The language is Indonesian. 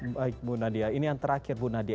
baik bu nadia ini yang terakhir bu nadia